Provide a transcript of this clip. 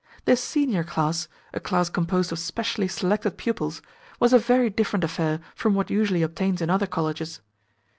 This senior class a class composed of specially selected pupils was a very different affair from what usually obtains in other colleges.